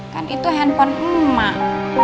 kan itu handphone emak